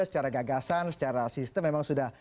secara gagasan secara sistem memang sudah